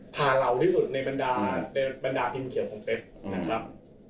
ผ่าเรารีสุทธิ์ในบรรดาภิมภ์เขียวของเป๊บ